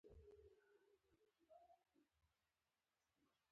لمر راوتلی ده